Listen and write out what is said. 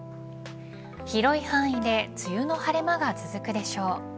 広い範囲で梅雨の晴れ間が続くでしょう。